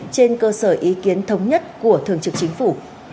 trên cơ sở ý kiến thống nhất của thường trực chính phủ